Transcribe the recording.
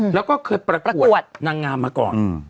แล้วก็เคยประกวดนางงามมาก่อน